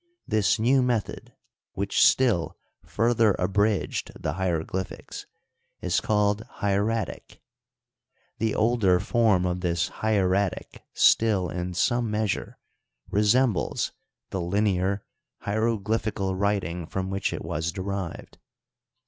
This new method, which still further abridged the hieroglyphics, is called Hieratic, The older form of this hieratic still in some measure resembles the. linear hieroglyphical writing from which it was derived.